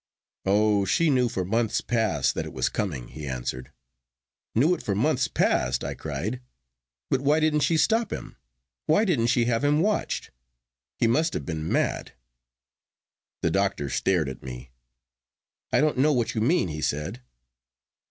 'Oh, she knew for months past that it was coming,' he answered. 'Knew it for months past!' I cried. 'But why didn't she stop him? Why didn't she have him watched? He must have been mad.' The doctor stared at me. 'I don't know what you mean,' he said.